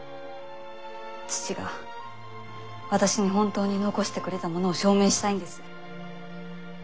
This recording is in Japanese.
父が私に本当に残してくれたものを証明したいんです。